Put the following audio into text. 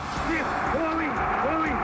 ホームイン！